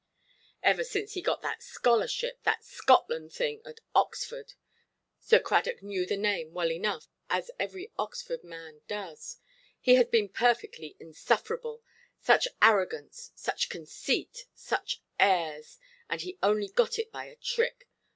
"Ever since he got that scholarship, that Scotland thing at Oxford"—Sir Cradock knew the name well enough, as every Oxford man does—"he has been perfectly insufferable; such arrogance, such conceit, such airs! And he only got it by a trick.